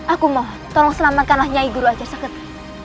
aku mohon tolong selamatkanlah nyai guru ajarsakti